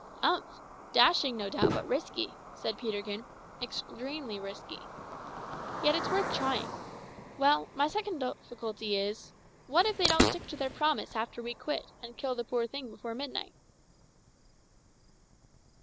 "Umph! dashing, no doubt, but risky," said Peterkin "extremely risky. Yet it's worth trying. Well, my second difficulty is what if they don't stick to their promise after we quit, and kill the poor thing before midnight?"